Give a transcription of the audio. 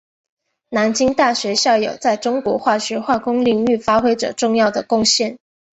南京大学校友在中国化学化工领域发挥着重要的贡献。